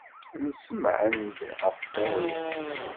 Nessemɛen-d ɣef berru.